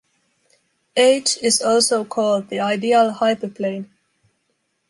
"H" is also called the ideal hyperplane.